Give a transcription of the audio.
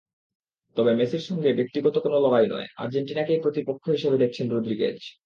তবে মেসির সঙ্গে ব্যক্তিগত কোনো লড়াই নয়, আর্জেন্টিনাকেই প্রতিপক্ষ হিসেবে দেখছেন রদ্রিগেজ।